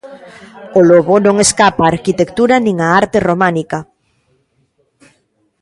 O lobo non escapa á arquitectura nin á arte románica.